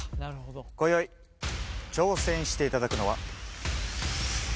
こよい、挑戦していただくのは。